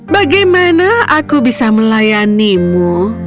bagaimana aku bisa melayanimu